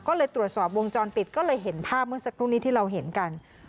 ก็เลยตรวจสอบวงจรปิดก็เลยเห็นภาพเมื่อสักครู่นี้ที่เราเห็นกัน